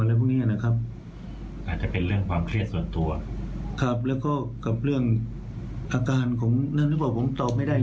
อาการเหรอเปล่าผมตอบไม่ได้